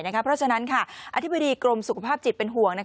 เพราะฉะนั้นอธิบดีกรมสุขภาพจิตเป็นห่วง